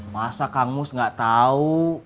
masa kangus gak tau